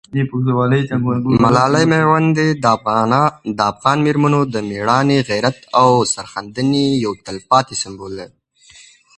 ملالۍ میوندۍ د افغان مېرمنو د مېړانې، غیرت او سرښندنې یو تلپاتې سمبول ده.